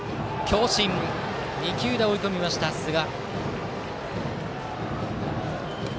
２球で追い込みました寿賀。